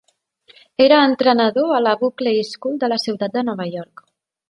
Era entrenador a la Buckley School de la ciutat de Nova York.